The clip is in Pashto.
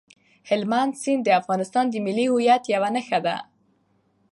هلمند سیند د افغانستان د ملي هویت یوه نښه ده.